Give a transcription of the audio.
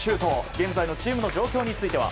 現在のチームの状況については。